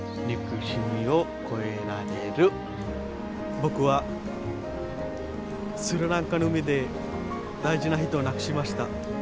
僕はスリランカの海で大事な人を亡くしました。